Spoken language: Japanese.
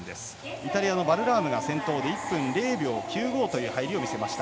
イタリアのバルラームが先頭で１分０秒９５という入りを見せました。